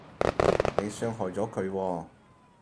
你傷害咗佢喎